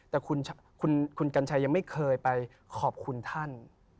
แต่คุณกัญชัยยังไม่เคยไปขอบคุณท่าน